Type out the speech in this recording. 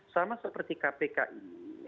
sama seperti kpki